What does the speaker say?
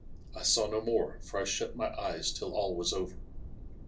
I saw no more, for I shut my eyes till all was over.